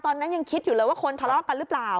ตอนนั้นยังคิดอยู่เลยว่าคนทะเลาะกันหรือเปล่า